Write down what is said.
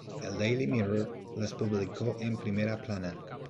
El Daily Mirror las publicó en primera plana.